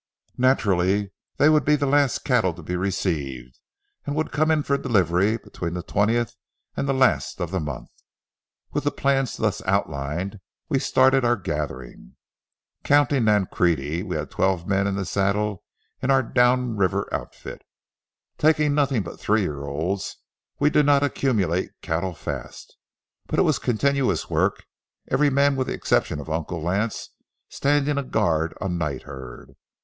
Naturally they would be the last cattle to be received and would come in for delivery between the twentieth and the last of the month. With the plans thus outlined, we started our gathering. Counting Nancrede, we had twelve men in the saddle in our down river outfit. Taking nothing but three year olds, we did not accumulate cattle fast; but it was continuous work, every man, with the exception of Uncle Lance, standing a guard on night herd.